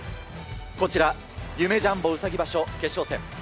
こちら、夢・ジャンボうさぎ場所決勝戦。